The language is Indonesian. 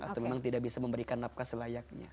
atau memang tidak bisa memberikan nafkah selayaknya